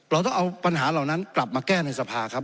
เราต้องเอาปัญหาเหล่านั้นกลับมาแก้ในสภาครับ